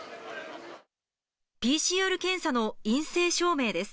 ＰＣＲ検査の陰性証明です。